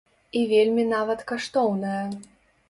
І вельмі нават каштоўнае.